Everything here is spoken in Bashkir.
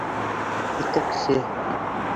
Етәксе.